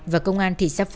và công an thị xác phú thọ